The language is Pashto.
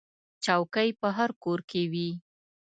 چوکۍ په هر کور کې وي.